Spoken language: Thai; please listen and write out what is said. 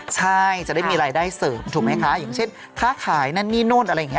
ใช่จะได้มีรายได้เสริมถูกไหมคะอย่างเช่นค้าขายนั่นนี่นู่นอะไรอย่างนี้